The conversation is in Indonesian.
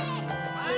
sampai jumpa lagi